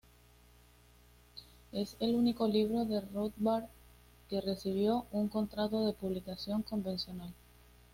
Es el único libro de Rothbard que recibió un contrato de publicación convencional.